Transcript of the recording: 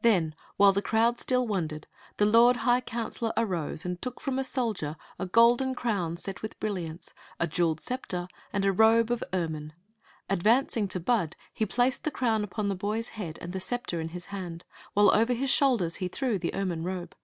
Then, while the crowd still wondered, the lord high counselor arose and took from a soldier a golden crown set with brilliants, a jeweled scepter, and a robe of ermine. Advancing to Bud, he placed the crown upon the Jboy's head and the scepter in his hand, while over his shoulders he threw the ermine robe.